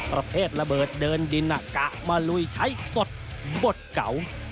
ประเภทระเบิดเดินดินกะมาลุยใช้สดบทเก่า